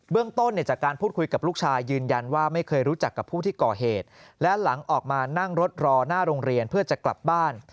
ต้นจากการพูดคุยกับลูกชายยืนยันว่าไม่เคยรู้จักกับผู้ที่ก่อเหตุและหลังออกมานั่งรถรอหน้าโรงเรียนเพื่อจะกลับบ้าน